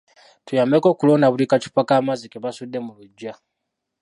Tuyambeko okulonda buli ka ccupa k'amazzi ke basudde mu luggya.